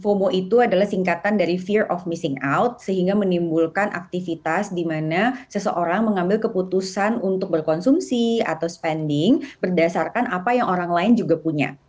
fomo itu adalah singkatan dari fear of missing out sehingga menimbulkan aktivitas dimana seseorang mengambil keputusan untuk berkonsumsi atau spending berdasarkan apa yang orang lain juga punya